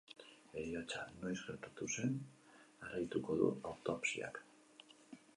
Heriotza noiz gertatu zen argituko du autopsiak.